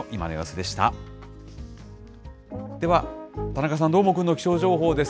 では、田中さん、どーもくんの気象情報です。